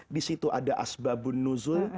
di situ ada asbabun nuzul